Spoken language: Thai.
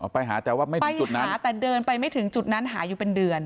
ไปหาแต่ว่าไม่ถึงจุดนั้นหาแต่เดินไปไม่ถึงจุดนั้นหาอยู่เป็นเดือน